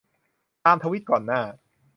ตามทวีตก่อนหน้า